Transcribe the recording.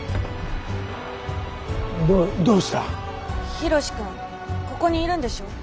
ヒロシ君ここにいるんでしょ？